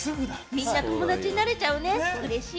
みんな友達になれちゃうね、嬉しい。